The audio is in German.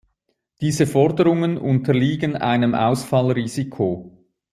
Diese Forderungen unterliegen einem Ausfallrisiko.